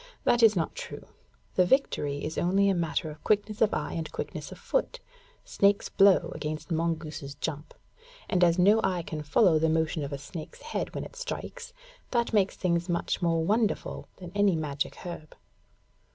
That is not true. The victory is only a matter of quickness of eye and quickness of foot, snake's blow against mongoose's jump, and as no eye can follow the motion of a snake's head when it strikes, that makes things much more wonderful than any magic herb.